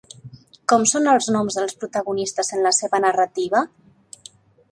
Com són els noms dels protagonistes en la seva narrativa?